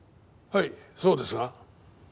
はいそうですが？